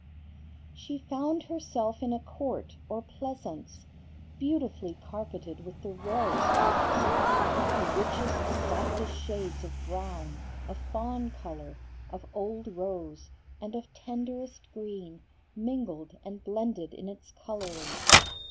She found herself in a court or pleasance, beautifully carpeted with the rarest moss. The richest, softest shades of brown, of fawn color, of old rose, and of tenderest green, mingled and blended in its coloring.